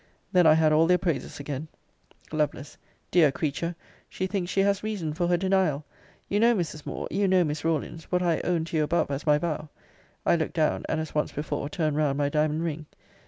Then I had all their praises again. Lovel. Dear creature! She thinks she has reason for her denial. You know, Mrs. Moore; you know, Miss Rawlins; what I owned to you above as my vow. I looked down, and, as once before, turned round my diamond ring.